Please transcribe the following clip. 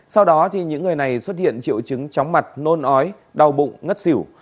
sau đó những người này xuất hiện triệu chứng chóng mặt nôn ói đau bụng ngất xỉu